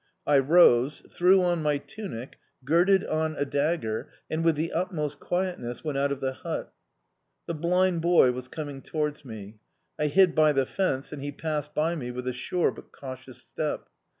I rose, threw on my tunic, girded on a dagger, and with the utmost quietness went out of the hut. The blind boy was coming towards me. I hid by the fence, and he passed by me with a sure but cautious step.